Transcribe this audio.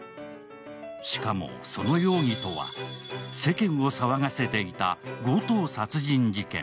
しかも、その容疑とは世間を騒がせていた強盗殺人事件。